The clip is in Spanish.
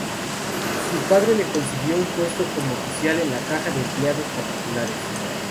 Su padre le consiguió un puesto como oficial en la Caja de Empleados Particulares.